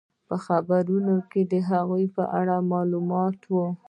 په خبرونو کې د هغې په اړه معلومات وو.